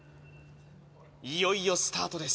いよいよスタートです